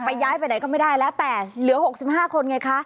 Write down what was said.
ย้ายไปไหนก็ไม่ได้แล้วแต่เหลือ๖๕คนไงคะ